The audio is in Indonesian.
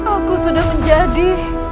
aku sudah menjadi